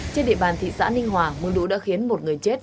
trên địa bàn thị xã ninh hòa mưa lũ đã khiến một người chết